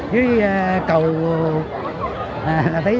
đối với tôi thì